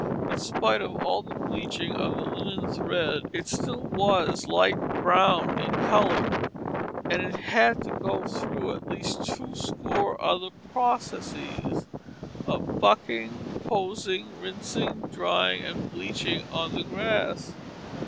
In spite of all the bleaching of the linen thread, it still was light brown in color, and it had to go through at least twoscore other processes, of bucking, possing, rinsing, drying, and bleaching on the grass.